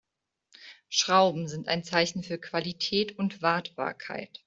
Schrauben sind ein Zeichen für Qualität und Wartbarkeit.